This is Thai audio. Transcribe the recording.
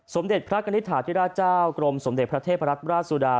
สมเด็จพระกัณฑาที่ราชาวกรมสมเด็จพระเทพระรัชราชสุดา